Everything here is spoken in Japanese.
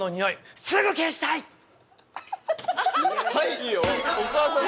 はい。